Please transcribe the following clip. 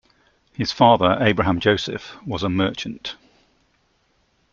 His father, Abraham Joseph, was a merchant.